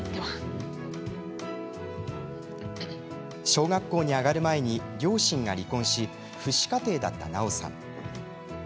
小学校に上がる前に両親が離婚し父子家庭だった奈緒さん。